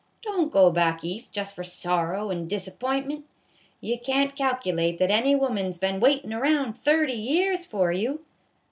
Don't go back East just for sorrow and disapp'intment. You can't calculate that any woman's been waitin' around thirty years for you.